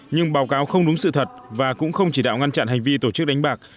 nhưng báo cáo không đúng sự thật và cũng không chỉ đạo ngăn chặn hành vi tổ chức đánh bạc